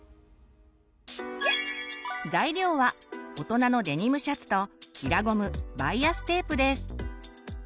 材料は大人のデニムシャツと平ゴムバイアステープです。